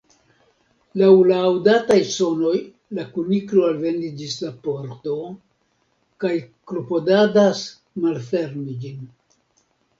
Laŭ la aŭdataj sonoj la Kuniklo alvenis ĝis la pordo, kaj klopodadas malfermi ĝin.